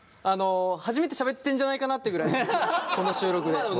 あの初めてしゃべってんじゃないかなってぐらいこの収録で。